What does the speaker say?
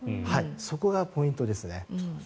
そこがポイントですね。